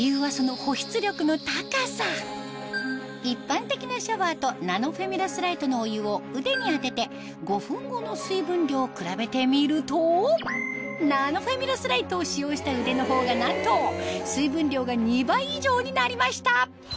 一般的なシャワーとナノフェミラスライトのお湯を腕に当てて５分後の水分量を比べてみるとナノフェミラスライトを使用した腕のほうがなんと水分量が２倍以上になりました